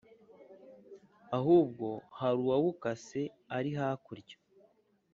Ahubwo haru wawukase arihakurya